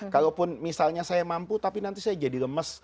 kalaupun misalnya saya mampu tapi nanti saya jadi lemes